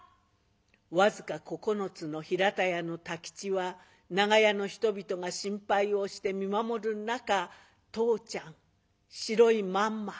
僅か９つの平田屋の太吉は長屋の人々が心配をして見守る中「父ちゃん白いまんま」。